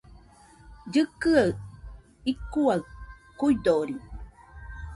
Llɨkɨaɨ icuaɨ kuidori